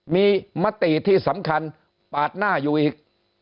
มีมติที่สำคัญปาดหน้าอยู่อีก